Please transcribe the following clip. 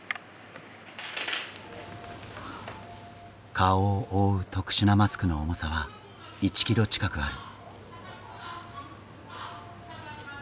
顔を覆う特殊なマスクの重さは１キロ近くある。